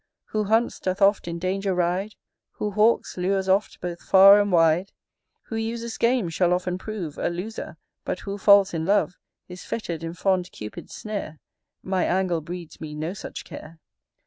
Who hunts, doth oft in danger ride; Who hawks, lures oft both far and wide Who uses games shall often prove A loser, but who falls in love, Is fetter'd in fond Cupid's snare: My angle breeds me no such care.